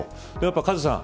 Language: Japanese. カズさん